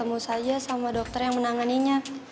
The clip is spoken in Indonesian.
kamu saja sama dokter yang menanganinya